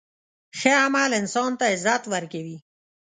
ښه عمل انسان ته عزت ورکوي.